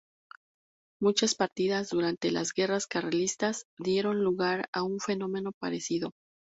Muchas partidas durante las Guerras Carlistas dieron lugar a un fenómeno parecido.